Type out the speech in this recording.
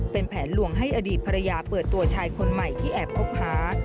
เป็นแผนลวงให้อดีตภรรยาเปิดตัวชายคนใหม่ที่แอบคบหา